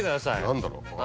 何だろう？